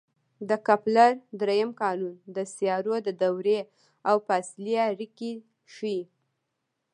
د کپلر درېیم قانون د سیارو د دورې او فاصلې اړیکې ښيي.